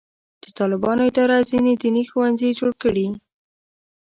د طالبانو اداره ځینې دیني ښوونځي جوړ کړي.